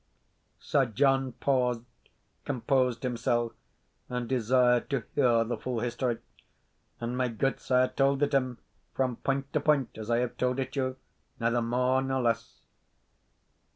Sir John paused, composed himsell, and desired to hear the full history; and my gudesire told it him from point to point, as I have told it you neither more nor less.